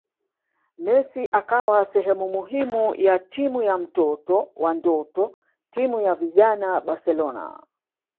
Messi akawa sehemu muhimu ya Timu ya mtoto wa ndoto timu ya vijana Barcelona